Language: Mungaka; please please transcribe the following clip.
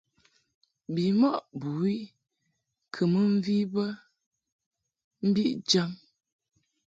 Bimɔʼ bɨwi kɨ mɨ mvi bə mbi jaŋ.